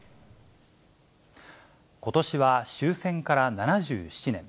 ことしは終戦から７７年。